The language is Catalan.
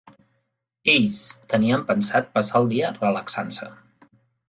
Ells tenien pensat passar el dia relaxant-se.